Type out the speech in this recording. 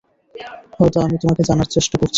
হয়তো আমি তোমাকে জানার চেষ্টা করছি।